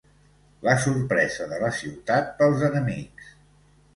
La sorpresa de la ciutat pels enemics.